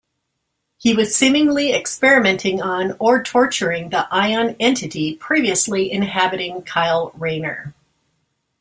He was seemingly experimenting on or torturing the Ion entity previously inhabiting Kyle Rayner.